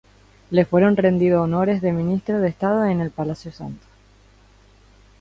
Le fueron rendidos honores de ministro de Estado en el Palacio Santos.